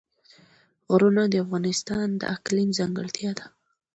غرونه د افغانستان د اقلیم ځانګړتیا ده.